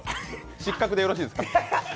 失格でよろしいですか？